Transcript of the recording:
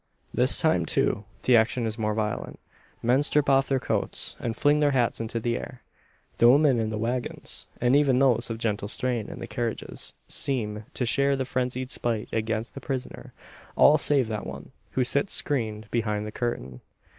This time, too, the action is more violent. Men strip off their coats, and fling their hats into the air. The women in the waggons and even those of gentle strain in the carriages seem, to share the frenzied spite against the prisoner all save that one, who sits screened behind the curtain.